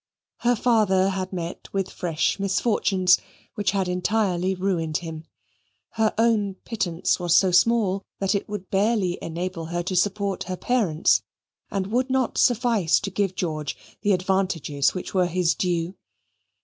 Her father had met with fresh misfortunes which had entirely ruined him. Her own pittance was so small that it would barely enable her to support her parents and would not suffice to give George the advantages which were his due.